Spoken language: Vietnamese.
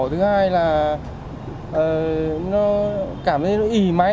thứ hai là nó cảm thấy nó ỉ máy